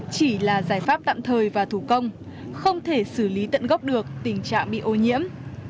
chỉ là giải pháp tạm thời và thủ công không thể xử lý tận gốc được tình trạng bị ô nhiễm